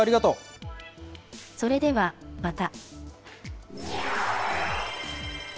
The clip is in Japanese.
それではまた。